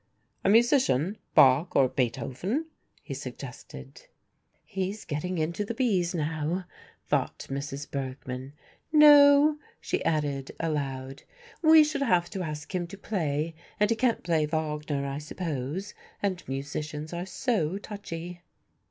"A musician? Bach or Beethoven?" he suggested. "He's getting into the B's now," thought Mrs. Bergmann. "No," she added aloud, "we should have to ask him to play, and he can't play Wagner, I suppose, and musicians are so touchy."